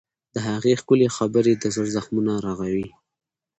د هغې ښکلي خبرې د زړه زخمونه رغوي.